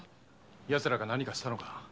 やつらが何かしたのか？